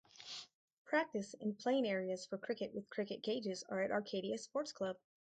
Practice and playing areas for cricket with cricket cages are at Arcadia Sports Club.